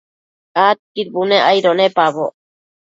Adquid bunec aido nepaboc